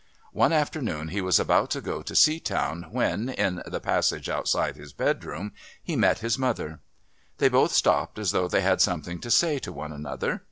One afternoon he was about to go to Seatown when, in the passage outside his bedroom, he met his mother. They both stopped as though they had something to say to one another.